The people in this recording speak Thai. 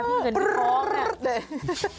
พี่เงินพี่ทองน่ะ